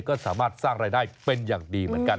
ก็สามารถสร้างรายได้เป็นอย่างดีเหมือนกัน